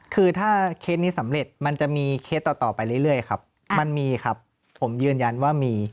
คือถ้าเคสนี้สำเร็จมันจะมีเคสต่อต่อไปเรื่อยครับมันมีครับผมยืนยันว่ามี